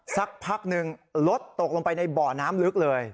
สักพักหนึ่งรถตกลงไปในบ่อน้ำลึกเลย